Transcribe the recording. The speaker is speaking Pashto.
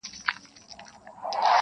• د ادم د رباب شرنګ ته انتظار یم -